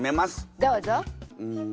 どうぞ！